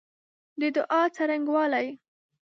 د دعا څرنګوالی